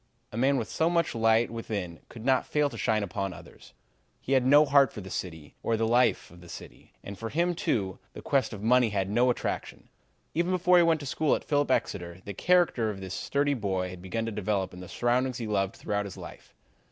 A man with so much light within could not fail to shine upon others. He had no heart for the city or the life of the city, and for him, too, the quest of money had no attraction. Even before he went to school at Phillips Exeter, the character of this sturdy boy had begun to develop in the surroundings he loved throughout his life.